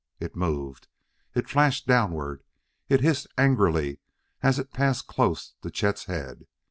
It moved, it flashed downward, it hissed angrily as it passed close to Chet's head.